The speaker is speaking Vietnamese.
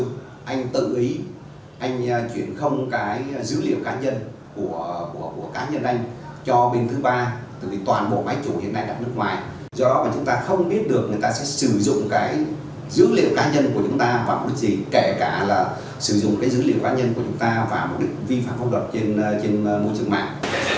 máy chủ hiện nay đặt nước ngoài do đó mà chúng ta không biết được người ta sẽ sử dụng cái dữ liệu cá nhân của chúng ta và mục đích gì kể cả là sử dụng cái dữ liệu cá nhân của chúng ta và mục đích vi phạm pháp luật trên môi trường mạng